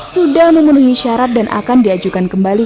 sudah memenuhi syarat dan akan diajukan kembali